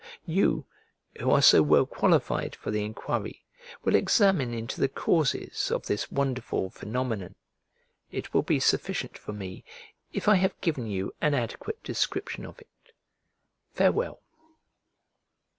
You, who are so well qualified for the enquiry, will examine into the causes of this wonderful phenomenon; it will be sufficient for me if I have given you an adequate description of it. Farewell.